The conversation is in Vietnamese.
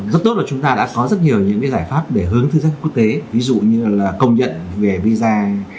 rất tốt là chúng ta đã có rất nhiều những cái giải pháp để hướng thư sách quốc tế ví dụ như là công nhận về visa